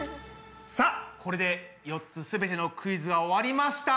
さあこれで４つすべてのクイズが終わりました。